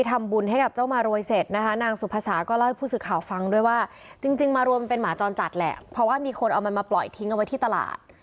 ที่คนเอามันมาปล่อยทิ้งเอาไว้ที่ตลาด